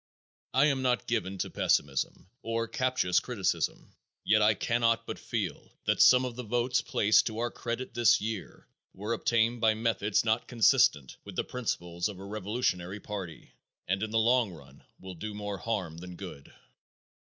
I am not given to pessimism, or captious criticism, and yet I cannot but feel that some of the votes placed to our credit this year were obtained by methods not consistent with the principles of a revolutionary party, and in the long run will do more harm than good.